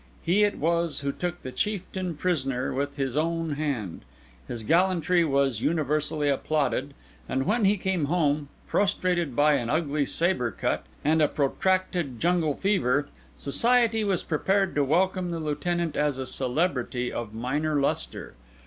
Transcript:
He it was who took the chieftain prisoner with his own hand; his gallantry was universally applauded; and when he came home, prostrated by an ugly sabre cut and a protracted jungle fever, society was prepared to welcome the Lieutenant as a celebrity of minor lustre.